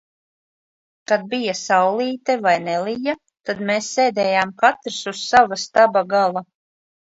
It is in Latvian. Kad bija saulīte vai nelija, tad mēs sēdējām katrs uz sava staba gala.